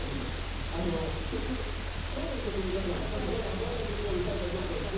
どんな曲を歌うかちょっと樹。